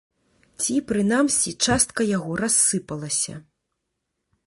Ці, прынамсі, частка яго рассыпалася.